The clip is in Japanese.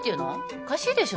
おかしいでしょ